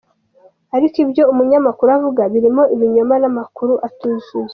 Ariko ibyo umunyamakuru avuga birimo ibinyoma n’amakuru atuzuye.